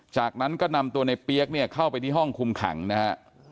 จากนั้นก็นำตัวในเปี๊ยกเนี่ยเข้าไปที่ห้องคุมขังนะฮะ